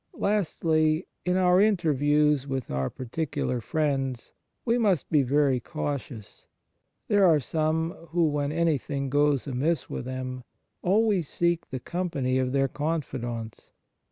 Lastly, in our interviews with our particular friends we must be very 53 Fraternal Charity cautious. There are some who, when any thing goes amiss with them, always seek the company of their confidants.